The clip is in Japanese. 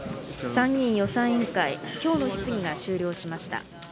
参議院予算委員会、きょうの質疑が終了しました。